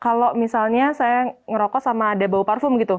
kalau misalnya saya ngerokok sama ada bau parfum gitu